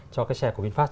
cho cái xe của vinfast